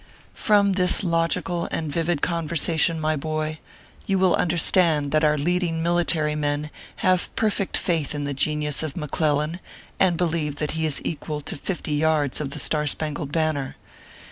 From this logical and vivid conversation, iny boy, you will understand that our leading military men have perfect faith in the genius of McClellan, and believe that he is equal to fifty yards of the S tar Spangled Banner.